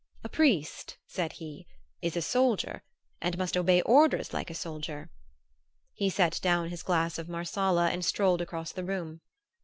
"A priest," said he, "is a soldier and must obey orders like a soldier." He set down his glass of Marsala and strolled across the room.